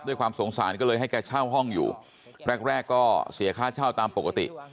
ด้วยความสงสารก็เลยให้แกเช่าห้องอยู่แรกแรกก็เสียค่าเช่าตามปกติ